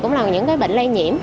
cũng là những cái bệnh lây nhiễm